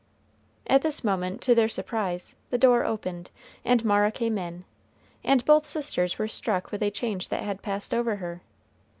At this moment, to their surprise, the door opened, and Mara came in, and both sisters were struck with a change that had passed over her.